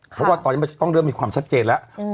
เพราะว่าตอนนี้มันจะต้องเริ่มมีความชัดเจนแล้ว